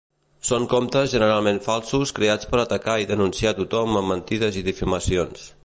Són comptes generalment falsos creats per atacar i denunciar tothom amb mentides i difamacions.